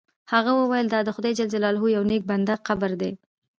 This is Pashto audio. هغه وویل دا د خدای جل جلاله د یو نیک بنده قبر دی.